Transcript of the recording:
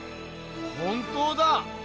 本当だ！